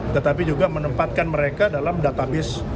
tetapi juga menempatkan mereka dalam database